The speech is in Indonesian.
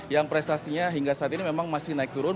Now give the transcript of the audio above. yang prestasinya hingga saat ini memang masih naik turun